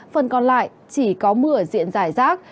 phần còn lại chỉ có mưa diện giải rác